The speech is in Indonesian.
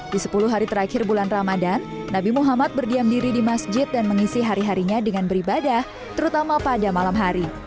di sepuluh hari terakhir bulan ramadan nabi muhammad berdiam diri di masjid dan mengisi hari harinya dengan beribadah terutama pada malam hari